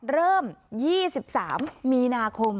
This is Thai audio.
เริ่ม๒๓มีนาคม